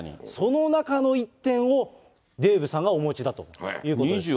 その中の１点を、デーブさんがお持ちだということです。